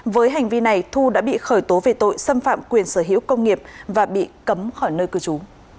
với hành vi này thu đã bị khởi tố về tội xâm phạm quyền sở hữu công nghiệp và bị cấm khỏi nơi cư trú